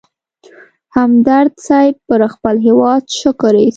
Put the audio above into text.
همدرد صیب پر خپل هېواد شکر اېست.